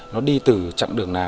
nó đi từ chặng đường